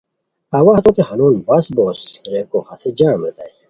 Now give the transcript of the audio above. اوا ہتوت ہنون بس بوس ریکو ہسے جام ریتائے